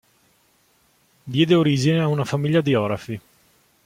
Diede origine a una famiglia di orafi.